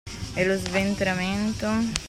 E lo sventramento?